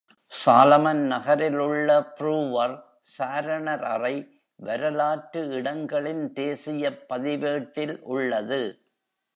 சாலமன் நகரில் உள்ள ப்ரூவர் சாரணர் அறை, வரலாற்று இடங்களின் தேசியப் பதிவேட்டில் உள்ளது.